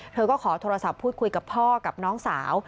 เธอก็ขอโทรศัพท์พูดคุยกับพ่อกับน้องสาว